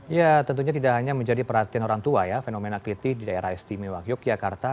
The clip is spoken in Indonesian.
ya tentunya tidak hanya menjadi perhatian orang tua ya fenomena keliti di daerah istimewa yogyakarta